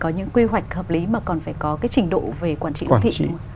có những quy hoạch hợp lý mà còn phải có cái trình độ về quản trị đô thị